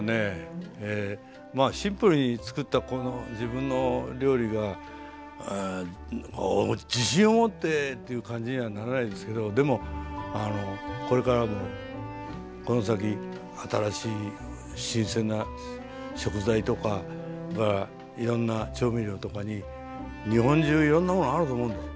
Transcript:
まあシンプルにつくったこの自分の料理が自信を持ってっていう感じにはならないですけどでもこれからもこの先新しい新鮮な食材とかいろんな調味料とかに日本中いろんなものがあると思うんです。